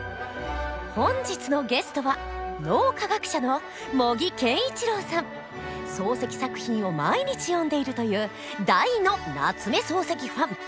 本日のゲストは漱石作品を毎日読んでいるという大の夏目漱石ファン。